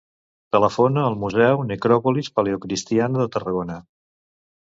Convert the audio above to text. Telefona el museu Necròpolis Paleocristiana de Tarragona.